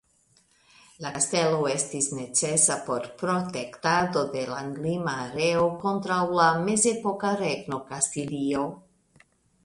La kastelo estis necesa por protektado de landlima areo kontraŭ la mezepoka Regno Kastilio.